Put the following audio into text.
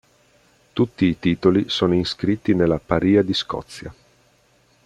Tutti i titoli sono inscritti nella Parìa di Scozia.